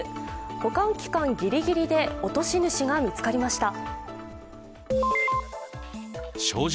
保管期間ギリギリで落とし主が見つかりました。